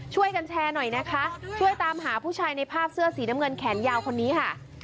ช่วยกันแชร์หน่อยนะคะช่วยตามหาผู้ชายในภาพเสื้อสีน้ำเงินแขนยาวคนนี้ค่ะ